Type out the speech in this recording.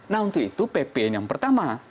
nah untuk itu ppn yang pertama